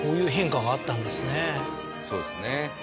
そうですね。